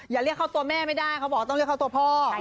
อย่าเรียกเข้าตัวแม่ไม่ได้เขาบอกต้องเรียกเข้าตัวพ่อ